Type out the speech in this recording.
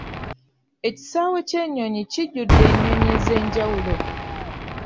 Ekisaawe ky'ennyonyi kijjudde ennyonyi ez'enjawulo.